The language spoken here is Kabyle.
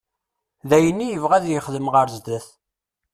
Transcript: D ayen i yebɣa ad yexdem ɣer sdat.